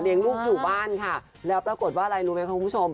ลูกอยู่บ้านค่ะแล้วปรากฏว่าอะไรรู้ไหมคะคุณผู้ชม